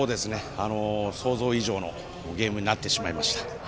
想像以上のゲームになってしまいました。